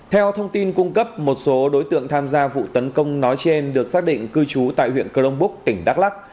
theo thông tin cung cấp một số đối tượng tham gia vụ tấn công nói trên được xác định cư trú tại huyện crong búc tỉnh đắk lắc